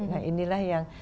nah inilah yang